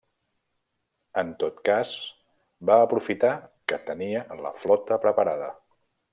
En tot cas va aprofitar que tenia la flota preparada.